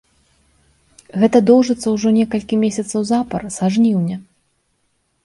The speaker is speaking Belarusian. Гэта доўжыцца ўжо некалькі месяцаў запар, са жніўня.